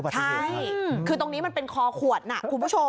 ใช่คือตรงนี้มันเป็นคอขวดนะคุณผู้ชม